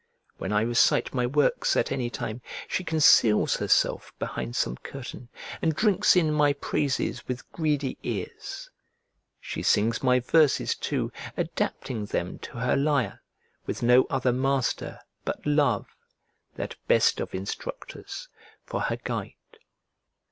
When I recite my works at any time, she conceals herself behind some curtain, and drinks in my praises with greedy ears. She sings my verses too, adapting them to her lyre, with no other master but love, that best of instructors, for her guide.